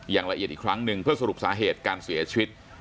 อย่างละเอียดอีกครั้งหนึ่งเพื่อสรุปสาเหตุการเสียชีวิต